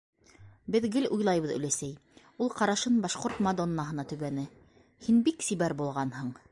- Беҙ гел уйлайбыҙ, Өләсәй, - ул ҡарашын «Башҡорт мадоннаһы»на төбәне. - һин бик сибәр булғанһың.